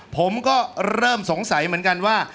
ผมก็เริ่มสงสัยเหมือนกันว่า